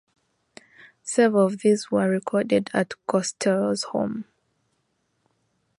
Several of these were recorded at Costello's home.